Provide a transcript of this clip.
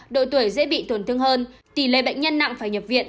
độ tuổi dễ bị tổn thương hơn tỷ lệ bệnh nhân nặng phải nhập viện